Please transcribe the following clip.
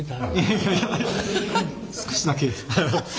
「少しだけ」